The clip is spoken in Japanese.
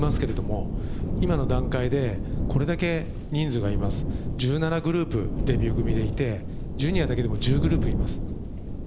思っていますけれども、今の段階でこれだけ人数がいます、１０グループ、デビューグミがいて、Ｊｒ．だけで１０グループあります。